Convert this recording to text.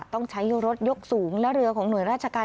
ต้องใช้รถยกสูงและเรือของหน่วยราชการ